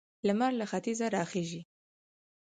لمر له ختیځه راخيژي.